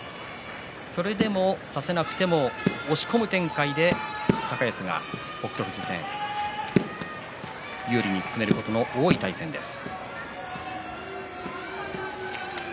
それでも差せなくて押し込む展開で高安が北勝富士戦有利に進めることも多い対戦です。